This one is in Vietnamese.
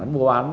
nó mua bán